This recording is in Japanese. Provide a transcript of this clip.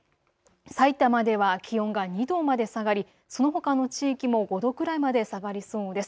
さいたまでは気温が２度まで下がり、そのほかの地域も５度くらいまで下がりそうです。